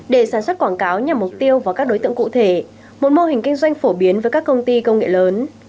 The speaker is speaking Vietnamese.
để sản xuất quảng cáo nhằm mục tiêu vào các đối tượng cụ thể một mô hình kinh doanh phổ biến với các công ty công nghệ lớn